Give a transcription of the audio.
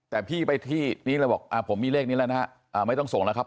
แต่พี่ไปที่นี้เลยบอกผมมีเลขนี้แล้วนะฮะไม่ต้องส่งแล้วครับ